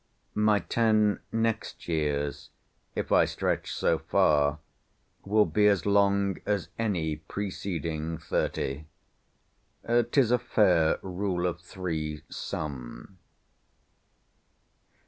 My ten next years, if I stretch so far, will be as long as any preceding thirty. 'Tis a fair rule of three sum.